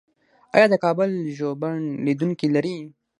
آیا د کابل ژوبڼ لیدونکي لري؟